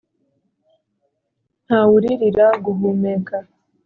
ntawuririra guhumeka